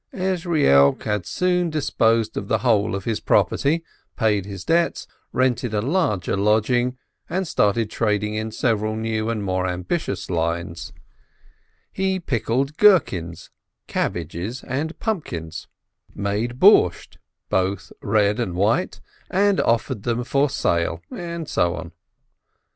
Ezrielk had soon disposed of the whole of his property, paid his debts, rented a larger lodging, and started trading in several new and more ambitious lines: he pickled gherkins, cabbages, and pumpkins, made beet soup, both red and white, and offered them for sale, and so on.